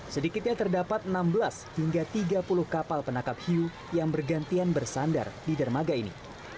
sedikitnya terdapat enam belas hingga tiga puluh kapal penangkap hiu yang bergantian bersandar di dermaga ini